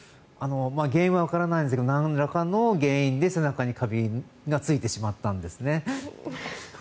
原因はわからないんですがなんらかの原因で背中にカビがついてしまったんですね。